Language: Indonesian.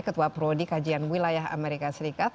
ketua prodi kajian wilayah amerika serikat